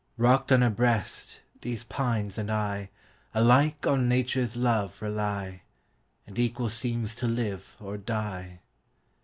Rocked on her breast, these pines and IAlike on Nature's love rely; And equal seems to live or die.